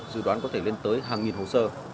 dự đoán có thể lên tới hàng nghìn hồ sơ